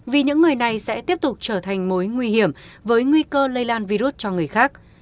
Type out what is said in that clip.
vì những người này sẽ tiếp tục trở thành mối nguy hiểm với nguy cơ lây lan virus cho người khác